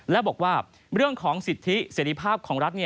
และบอกว่าเรื่องของสิทธิเสรีภาพของรัฐ